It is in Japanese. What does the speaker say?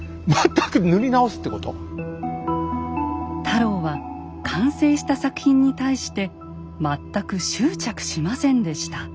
太郎は完成した作品に対して全く執着しませんでした。